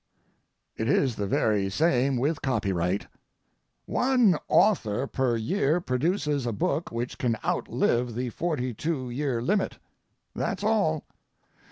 It is the very same with copyright. One author per year produces a book which can outlive the forty two year limit; that's all.